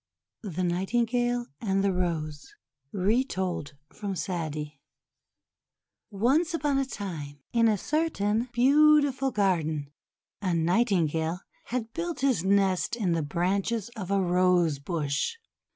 THE NIGHTINGALE AND THE ROSE Retold from Sa'di ONCE upon a time, in a certain beautiful garden, a Nightingale had built his nest in the branches of a Rose Bush.